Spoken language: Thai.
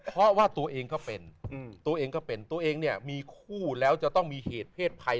เพราะว่าตัวเองก็เป็นตัวเองก็เป็นตัวเองเนี่ยมีคู่แล้วจะต้องมีเหตุเพศภัย